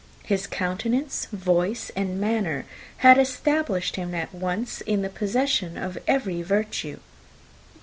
His countenance, voice, and manner, had established him at once in the possession of every virtue.